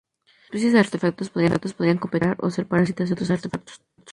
Las especies de artefactos podrían competir, cooperar o ser parásitas de otros artefactos.